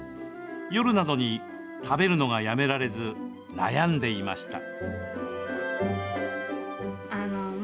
夜などに食べるのがやめられず悩んでいました。